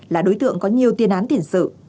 là đối tượng có nhiều tiên án tiền sự